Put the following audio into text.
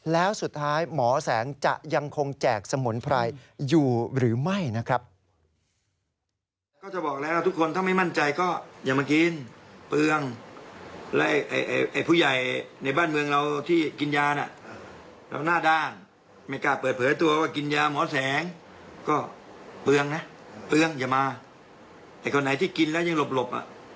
แล้วสุดท้ายหมอแสงจะยังคงแจกสมุนไพรอยู่หรือไม่นะครับ